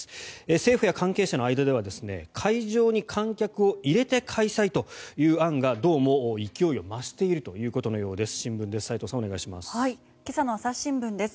政府や関係者の間では会場に観客を入れて開催という案がどうも勢いを増しているということのようです。